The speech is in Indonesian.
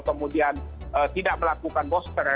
kemudian tidak melakukan booster